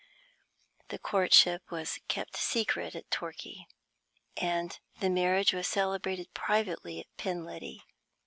The courtship was kept secret at Torquay, and the marriage was celebrated privately at Penliddy.